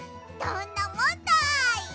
どんなもんだい！